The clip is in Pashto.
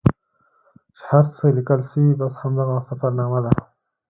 چې هر څه لیکل سوي بس همدغه سفرنامه ده.